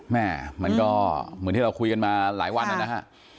แม่มันก็เหมือนที่เราคุยกันมาหลายวันนะฮะ